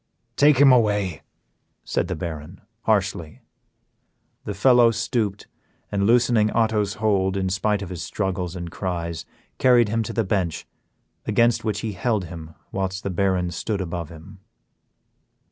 "Take him away," said the Baron, harshly. The fellow stooped, and loosening Otto's hold, in spite of his struggles and cries, carried him to the bench, against which he held him, whilst the Baron stood above him.